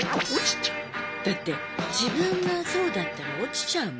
だって自分がそうだったら落ちちゃうもん。